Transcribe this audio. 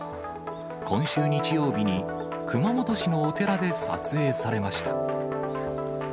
今週日曜日に、熊本市のお寺で撮影されました。